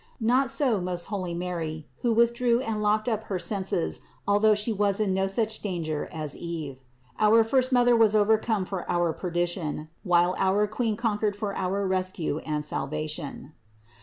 Not so most holy Mary, who withdrew and locked up her senses, although She was in no such danger as Eve. Our first mother was overcome for our perdi tion, while our Queen conquered for our rescue and sal vation.